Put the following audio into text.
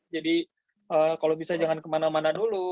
jadi kalau bisa jangan kemana mana dulu